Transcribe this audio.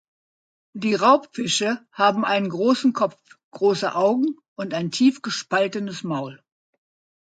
Die Raubfische haben einen großen Kopf, große Augen und ein tief gespaltenes Maul.